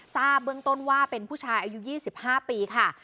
ทราบเบื้องต้นว่าเป็นผู้ชายอายุ๒๕ปีค่ะ